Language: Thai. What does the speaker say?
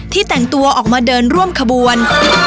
แต่งตัวออกมาเดินร่วมขบวน